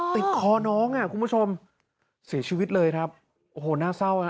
ติดคอน้องอ่ะคุณผู้ชมเสียชีวิตเลยครับโอ้โหน่าเศร้าฮะ